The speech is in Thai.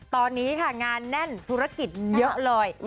ตอนนี้ค่ะงานแน่นธุรกิจเยอะเลย